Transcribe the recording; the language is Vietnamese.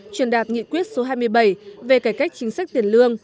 truyền đạt nghị quyết số hai mươi bảy về cải cách chính sách tiền lương